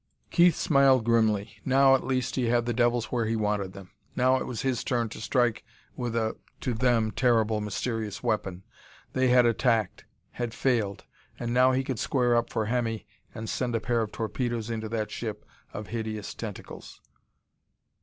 Keith smiled grimly. Now, at least, he had the devils where he wanted them; now it was his turn to strike with a to them terrible, mysterious weapon. They had attacked; had failed and now he could square up for Hemmy and send a pair of torpedoes into that ship of hideous tentacles.